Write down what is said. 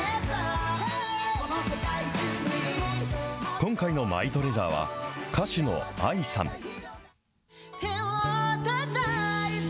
今回のマイトレジャーは、歌手のＡＩさん。